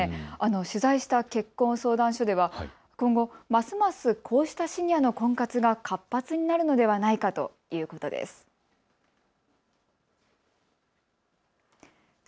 取材した結婚相談所によりますと今後ますますこうしたシニアの婚活が活発になるのではないかということです。